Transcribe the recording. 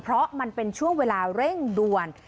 เพราะมันเป็นช่วงเวลาเร่งด่วน